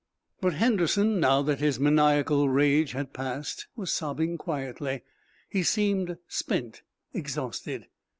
But Henderson, now that his maniacal rage had passed, was sobbing quietly. He seemed spent, exhausted.